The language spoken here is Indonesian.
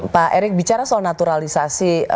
pak erick bicara soal naturalisasi